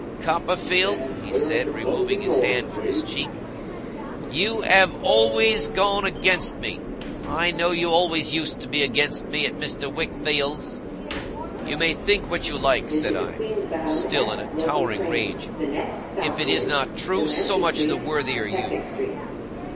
'Copperfield,' he said, removing his hand from his cheek, 'you have always gone against me. I know you always used to be against me at Mr. Wickfield's.' 'You may think what you like,' said I, still in a towering rage. 'If it is not true, so much the worthier you.